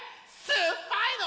すっぱいの？